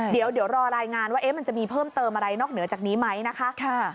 เดี๋ยวรอรายงานว่ามันจะมีเพิ่มเติมอะไรนอกเหนือจากนี้ไหมนะคะ